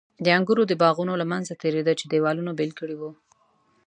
د انګورو د باغونو له منځه تېرېده چې دېوالونو بېل کړي ول.